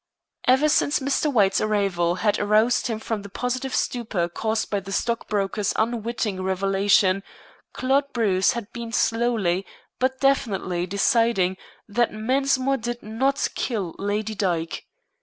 Ever since Mr. White's arrival had aroused him from the positive stupor caused by the stock broker's unwitting revelation, Claude Bruce had been slowly but definitely deciding that Mensmore did not kill Lady Dyke.